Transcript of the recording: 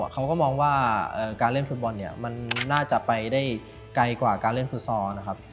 เขาก็มองว่าการเล่นฟุตบอลเนี่ยมันน่าจะไปได้ไกลกว่าการเล่นฟุตซอลนะครับ